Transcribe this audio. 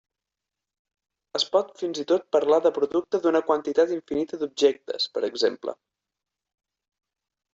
Es pot fins i tot parlar de producte d'una quantitat infinita d'objectes, per exemple.